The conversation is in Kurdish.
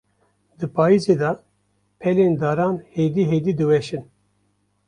Di payîzê de, pelên daran hêdî hêdî diweşin.